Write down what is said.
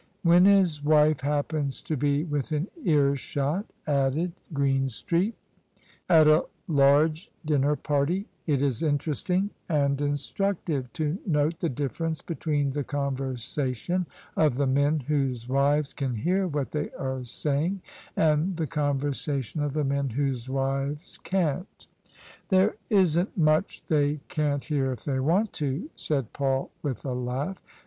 " When his wife happens to be within earshot," ^added OF ISABEL CARNABY GrcenstreeL " At a large dinner party it is interesting and instructive to note the difference between the conversation of the men whose wives can hear what they are saying, and the conversation of the men whose wives can*t." " There isn't much they can*t hear if they want to," said Paul with a laugh.